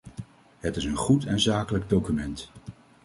Het is een goed en zakelijk document.